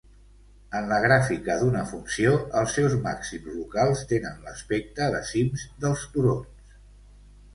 En la gràfica d'una funció, els seus màxims locals tenen l'aspecte de cims dels turons.